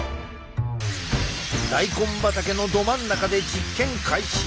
大根畑のど真ん中で実験開始！